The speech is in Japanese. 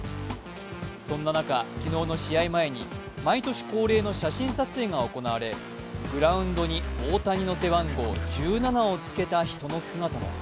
そんな中、昨日の試合前に毎年恒例の写真撮影が行われグラウンドに大谷の背番号・１７を着けた人の姿も。